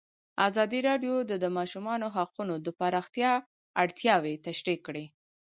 ازادي راډیو د د ماشومانو حقونه د پراختیا اړتیاوې تشریح کړي.